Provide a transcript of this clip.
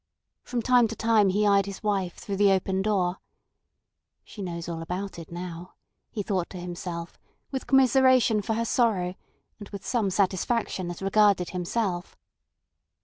From time to time he eyed his wife through the open door. "She knows all about it now," he thought to himself with commiseration for her sorrow and with some satisfaction as regarded himself.